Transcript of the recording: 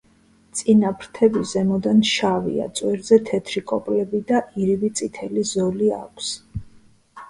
წინა ფრთები ზემოდან შავია, წვერზე თეთრი კოპლები და ირიბი წითელი ზოლი აქვს.